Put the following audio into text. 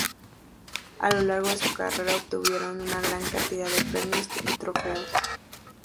A lo largo de su carrera obtuvieron una gran cantidad de premios y trofeos.